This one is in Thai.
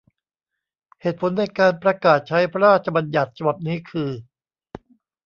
เหตุผลในการประกาศใช้พระราชบัญญัติฉบับนี้ คือ